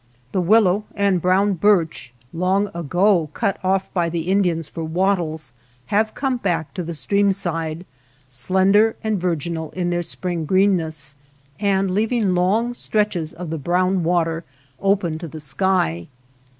The willow and brown birch, long ago cut off by the Indians for wattles, have come back to the streamside, slender and vir ginal in their spring greenness^ and leaving long stretches of the brown water open to the sky.